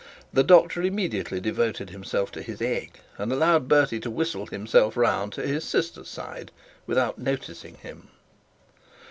The doctor immediately devoted himself to his egg, and allowed Bertie to whistle himself round to his sister's side without noticing him.